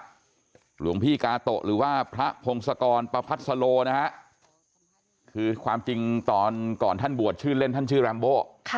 หลวงพี่กาโตะหรือว่าพระพงศกรประพัทสโลนะฮะคือความจริงตอนก่อนท่านบวชชื่อเล่นท่านชื่อแรมโบ